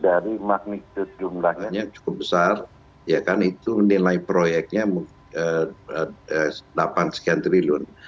dari magnitude jumlahnya cukup besar ya kan itu menilai proyeknya rp delapan triliun